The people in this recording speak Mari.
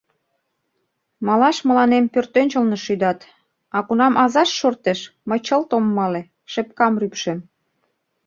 Малаш мыланем пӧртӧнчылнӧ шӱдат, а кунам азашт шортеш, мый чылт ом мале, шепкам рӱпшем.